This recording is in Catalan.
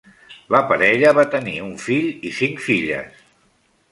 La parella va tenir un fill i cinc filles.